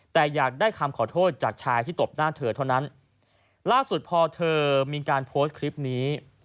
แต่อยากได้คำขอโทษจากชายที่ตบหน้าเธอเท่านั้นล่าสุดพอเธอมีการโพสต์คลิปนี้